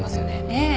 ええ。